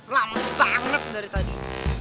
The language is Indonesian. lama banget dari tadi